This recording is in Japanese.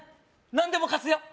何でも貸すよ